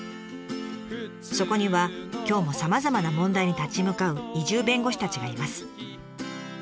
そこには今日もさまざまな問題に立ち向かう移住弁護士たちがいます。